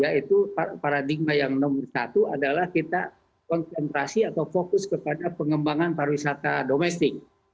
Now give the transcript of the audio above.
yaitu paradigma yang nomor satu adalah kita konsentrasi atau fokus kepada pengembangan pariwisata domestik